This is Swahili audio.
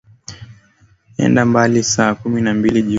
ende mbali saa kumi na mbili jioni rudi nasi hapa